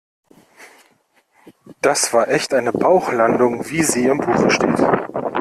Das war echt eine Bauchlandung, wie sie im Buche steht.